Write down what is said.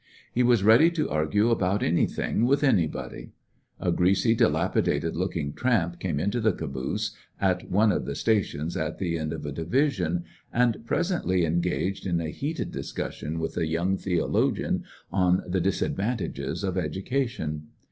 He was ready to argue about anything with anybody, A greasy, dilapi dated looking tramp came into the caboose at one of the stations at the end of a division, 189 ^ecoUections of a and presently engaged in a heated discussion with the young theologian on the disadvan tages of education.